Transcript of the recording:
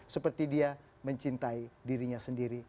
seperti dia mencintai dirinya sendiri